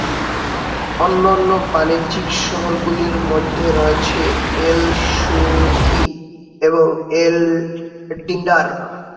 অন্যান্য বাণিজ্যিক শহরগুলির মধ্যে রয়েছে এল-সুকি এবং এল-ডিন্ডার।